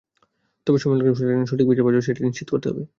তবে সময় লাগলেও যেন সঠিক বিচার পাওয়া যায়, সেটি নিশ্চিত করতে হবে।